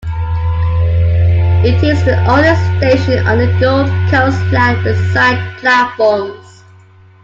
It is the only station on the Gold Coast line with side platforms.